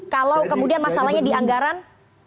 kalau kemudian masalahnya di anggaran